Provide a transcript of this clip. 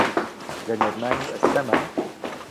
لە نەرمان و ئەستەما